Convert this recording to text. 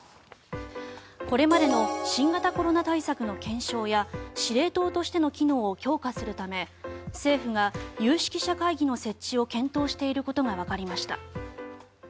これまでの新型コロナ対策の検証や司令塔としての機能を強化するため政府が有識者会議の設置を検討していることがわかりました。